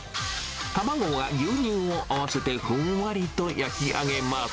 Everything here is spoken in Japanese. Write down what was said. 卵は牛乳を合わせてふんわりと焼き上げます。